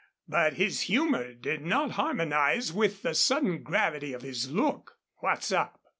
But his humor did not harmonize with the sudden gravity of his look. "What's up?"